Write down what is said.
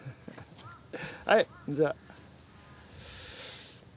はいじゃあ。